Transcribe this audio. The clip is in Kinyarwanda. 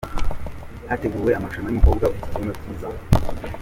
Hateguwe amarushanwa y’umukobwa ufite ikibuno cyiza